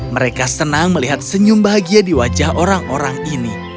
mereka senang melihat senyum bahagia di wajah orang orang ini